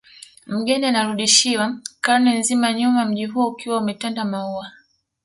Mgeni anarudishwa karne nzima nyuma mji huo ukiwa umetanda maua